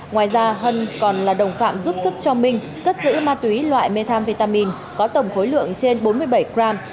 ngoài ra hân còn là đồng phạm giúp sức cho minh cất giữ ma túy loại methamvitamin có tổng khối lượng trên bốn mươi bảy gram